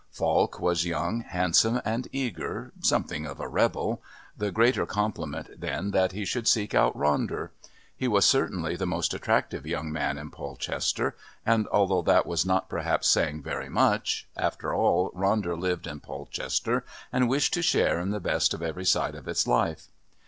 Falk was young, handsome and eager, something of a rebel the greater compliment then that he should seek out Ronder. He was certainly the most attractive young man in Polchester and, although that was not perhaps saying very much, after all Ronder lived in Polchester and wished to share in the best of every side of its life.